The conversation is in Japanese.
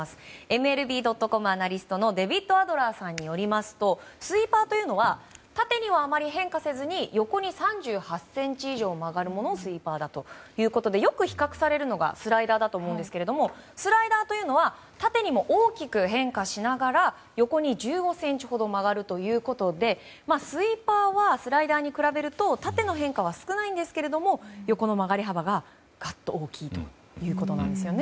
ＭＬＢ．ｃｏｍアナリストデビッド・アドラーさんによりますとスイーパーというのは縦にはあまり変化せずに横に３８ｃｍ以上曲がるものがスイーパーだということでよく比較されるのがスライダーだと思うんですけどスライダーというのは縦にも大きく変化しながら横に１５ｃｍほど曲がるということでスイーパーはスライダーに比べると縦の変化は少ないんですけど横の曲がり幅ががっと大きいということです。